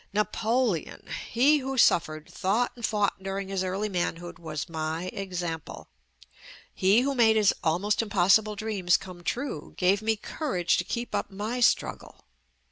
Napoleon! He who suf fered, thought and fought during his early manhood was my example. He who made his almost impossible dreams come true gave me courage to keep up my struggle.